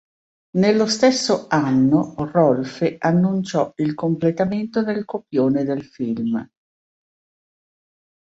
Nello stesso anno Rolfe annunciò il completamento del copione del film.